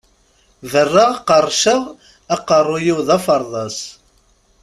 Berraɣ qerrceɣ, aqerru-w d aferḍas!